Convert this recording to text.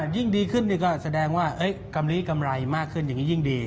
ยิ่งดีขึ้นนี่ก็แสดงว่ากำลีกำไรมากขึ้นอย่างนี้ยิ่งดี